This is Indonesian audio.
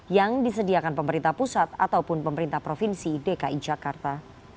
yang disediakan pemerintah pusat ataupun pemerintah provinsi dki jakarta